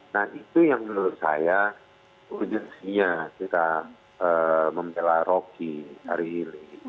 nah itu yang menurut saya urgensinya kita membela rocky hari ini